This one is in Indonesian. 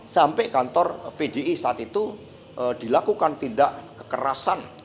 sampai kantor pdi saat itu dilakukan tindak kekerasan